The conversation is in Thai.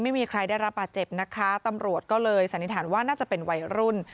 ไม่มีใครได้รับบาดเจ็บนะคะตำรวจก็เลยสันนิษฐานว่าน่าจะเป็นวัยรุ่น